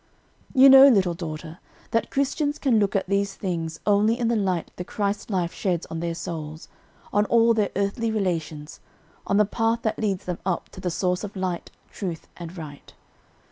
"You know, little daughter, that Christians can look at these things only in the light the Christ life sheds on their souls, on all their earthly relations, on the path that leads them up to the Source of light, truth and right.